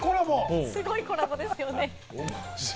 すごいコラボですよね。